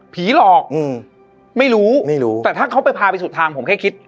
หลอกอืมไม่รู้ไม่รู้แต่ถ้าเขาไปพาไปสุดทางผมแค่คิด